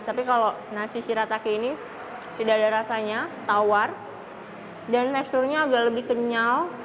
tapi kalau nasi shirataki ini tidak ada rasanya tawar dan teksturnya agak lebih kenyal